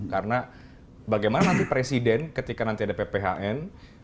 karena bagaimana nanti presiden ketika nanti ada pphn